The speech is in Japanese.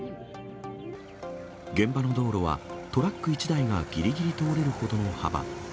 現場の道路はトラック１台がぎりぎり通れるほどの幅。